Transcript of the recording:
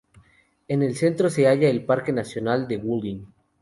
En el centro se halla el Parque Nacional de Wolin.